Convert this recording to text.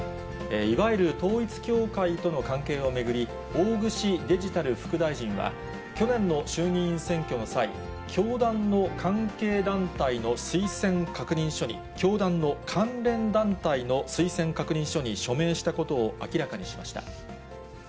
いわゆる統一教会との関係を巡り、大串デジタル副大臣は、去年の衆議院選挙の際、教団の関係団体の推薦確認書に、教団の関連団体の推薦確認書に署名したことを明らかにしました。